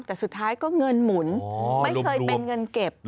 แต่สุดท้ายก็เงินหมุนไม่เคยเป็นเงินเก็บ